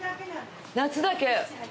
夏だけ。